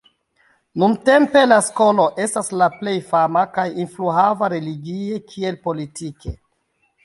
Nuntempe, la skolo estas la plej fama kaj influhava religie kiel politike.